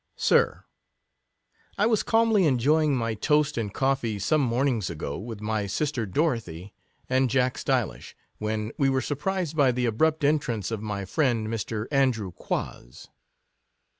Sir, I was calmly enjoying my toast and coffee some mornings ago, with my sister Dorothy and Jack Stylish, when we were surprised by the abrupt entrance of my friend, Mr. Andrew Quoz.